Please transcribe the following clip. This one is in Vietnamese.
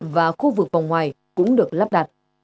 và khu vực phòng ngoài cũng được lắp đặt